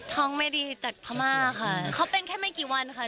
ท้องไม่ดีจากพามาฟ่าค่ะ